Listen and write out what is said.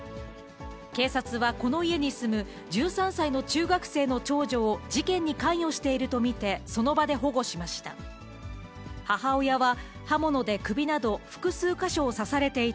警察はこの家に住む１３歳の中学生の長女を、事件に関与していると見て、その場で保護しました。